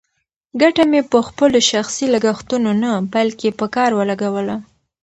ګټه مې په خپلو شخصي لګښتونو نه، بلکې په کار ولګوله.